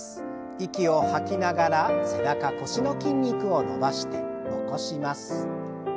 息を吐きながら背中腰の筋肉を伸ばして起こします。